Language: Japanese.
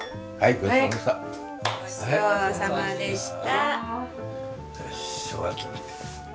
ごちそうさまでした。